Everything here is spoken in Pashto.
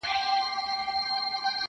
بې پروا له شنه اسمانه،